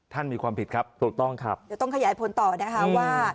ท่านมีความผิดครับตรงต้องครับอย่าต้องขยายผลต่อนะคะว่า